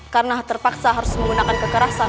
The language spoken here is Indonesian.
karena terpaksa harus menggunakan kekerasan